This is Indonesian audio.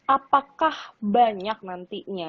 apakah banyak nantinya